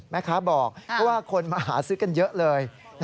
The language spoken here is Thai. แม่ค้าบอกเพราะว่าคนมาหาซื้อกันเยอะเลย